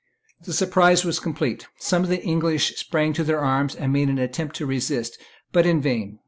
The surprise was complete. Some of the English sprang to their arms and made an attempt to resist, but in vain.